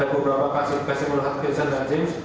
ada beberapa perspektif kasih melihat kirsan dan james